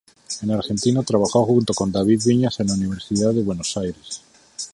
En Argentina trabajó junto con David Viñas en la Universidad de Buenos Aires.